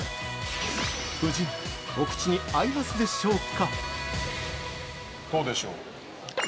夫人、お口に合いますでしょうか。